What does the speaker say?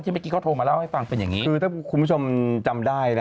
ที่เมื่อกี่ก็โทรมาเล่าให้ฟังเป็นอย่างนี้คุณชมจำได้นะ